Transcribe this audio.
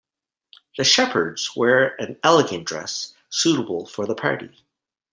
The shepperds wear an elegant dress, suitable for the party.